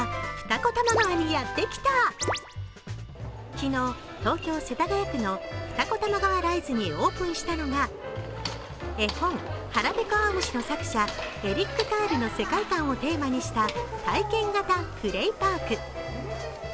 昨日、東京・世田谷区の二子玉川ライズにオープンしたのが絵本「はらぺこあおむし」の作者エリック・カールの世界観をテーマにした体験型プレーパーク。